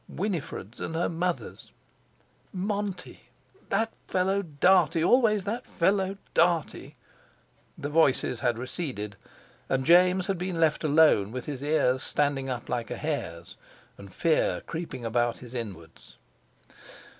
Winifred's and her mother's. "Monty!" That fellow Dartie—always that fellow Dartie! The voices had receded; and James had been left alone, with his ears standing up like a hare's, and fear creeping about his inwards.